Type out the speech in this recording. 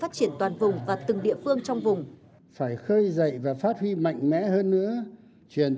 phát biểu chỉ đạo tại hội nghị tổng bí thư nguyễn phú trọng nhấn mạnh phải nhận thức thật đầy đủ